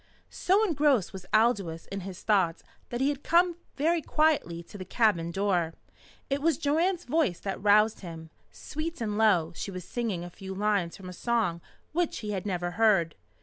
So engrossed was Aldous in his thoughts that he had come very quietly to the cabin door. It was Joanne's voice that roused him. Sweet and low she was singing a few lines from a song which he had never heard.